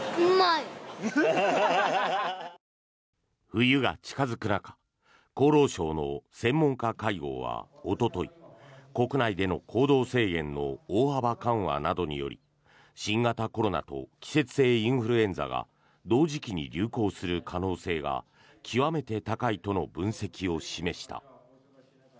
冬が近付く中厚労省の専門家会合はおととい国内での行動制限の大幅緩和などにより新型コロナと季節性インフルエンザが同時期に流行する可能性が極めて高いとの分析を示した。